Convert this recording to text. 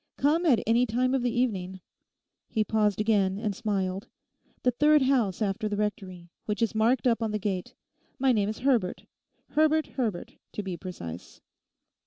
Come at any time of the evening'; he paused again and smiled—'the third house after the Rectory, which is marked up on the gate. My name is Herbert—Herbert Herbert to be precise.